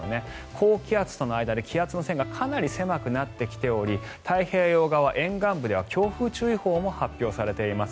高気圧との間で気圧の線がかなり狭くなってきており太平洋側沿岸部では強風注意報も発表されています。